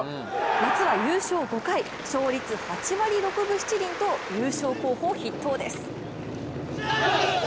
夏は優勝５回勝率８割６分７厘と優勝候補筆頭です「Ｓ☆１」